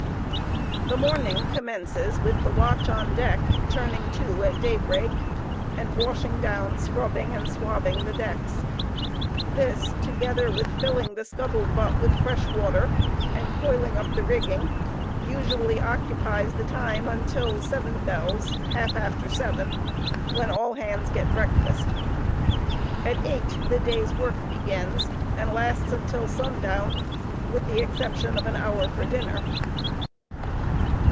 The morning commences with the watch on deck "turning to" at day break and washing down, scrubbing, and swabbing the decks. This together with filling the "scuttled butt" with fresh water, and coiling up the rigging, usually occupies the time until seven bells (half after seven), when all hands get breakfast. At eight, the day's work begins, and lasts until sundown, with the exception of an hour for dinner.